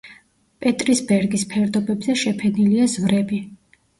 პეტრისბერგის ფერდობებზე შეფენილია ზვრები.